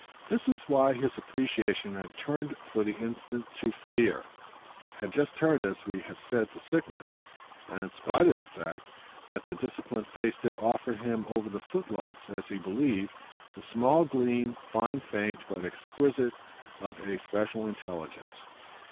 This was why his appreciation had turned for the instant to fear had just turned, as we have said, to sickness; and in spite of the fact that the disciplined face did offer him over the footlights, as he believed, the small gleam, fine faint but exquisite, of a special intelligence.